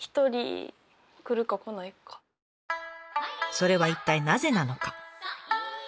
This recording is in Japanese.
それは一体なぜなのか？